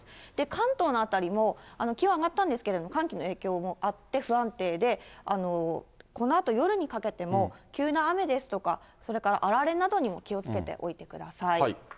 関東の辺りも、気温上がったんですけれども、寒気の影響もあって不安定で、このあと夜にかけても、急な雨ですとか、それからあられなどにも気をつけておいてください。